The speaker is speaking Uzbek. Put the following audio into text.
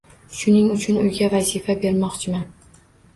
Shuning uchun uyga vazifa bermoqchiman.